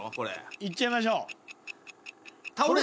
［いっちゃいましょう］